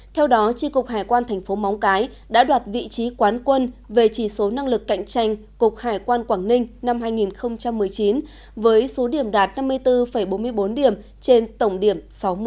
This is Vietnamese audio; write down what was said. theo đó tri cục hải quan thành phố móng cái đã đoạt vị trí quán quân về chỉ số năng lực cạnh tranh cục hải quan quảng ninh năm hai nghìn một mươi chín với số điểm đạt năm mươi bốn bốn mươi bốn điểm trên tổng điểm sáu mươi